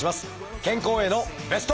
健康へのベスト。